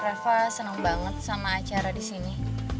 reva senang banget sama acara di sini